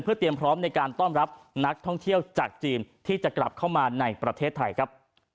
เตรียมพร้อมในการต้อนรับนักท่องเที่ยวจากจีนที่จะกลับเข้ามาในประเทศไทยครับ